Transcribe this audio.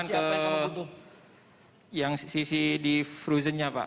untuk pengembangan ke yang sisi di frozennya pak